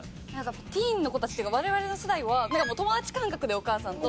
ティーンの子たちというか我々の世代はなんかもう友達感覚でお母さんと。